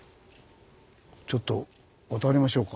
ちょっと渡りましょうか。